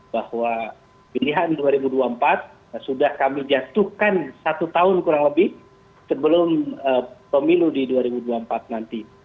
bahwa pilihan dua ribu dua puluh empat sudah kami jatuhkan satu tahun kurang lebih sebelum pemilu di dua ribu dua puluh empat nanti